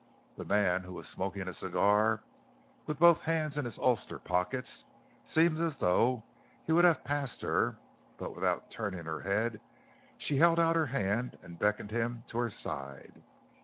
The man, who was smoking a cigar, with both hands in his ulster pockets, seemed as though he would have passed her, but without turning her head she held out her hand and beckoned him to her side.